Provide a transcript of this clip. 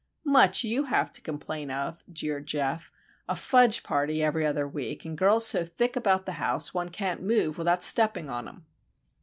"Much you have to complain of," jeered Geof;—"a fudge party every other week, and girls so thick about the house one can't move without stepping on 'em!"